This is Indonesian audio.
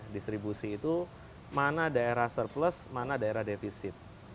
distribusi itu mana daerah surplus mana daerah defisit